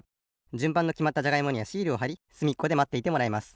じゅんばんがきまったじゃがいもにはシールをはりすみっこでまっていてもらいます。